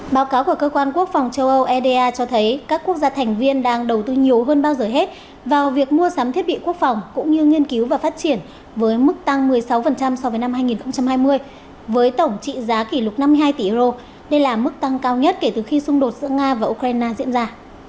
báo cáo của cơ quan quốc phòng châu âu eda cho thấy các quốc gia thành viên đang đầu tư nhiều hơn bao giờ hết vào việc mua sắm thiết bị quốc phòng cũng như nghiên cứu và phát triển với mức tăng một mươi sáu so với năm hai nghìn hai mươi với tổng trị giá kỷ lục năm mươi hai tỷ euro đây là mức tăng cao nhất kể từ khi xung đột giữa nga và ukraine diễn ra